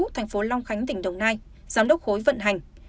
thành phố long khánh tỉnh đồng nai giám đốc khối vận hành